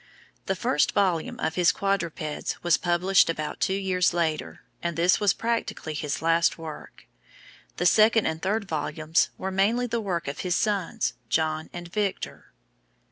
The first volume of his "Quadrupeds" was published about two years later, and this was practically his last work. The second and third volumes were mainly the work of his sons, John and Victor.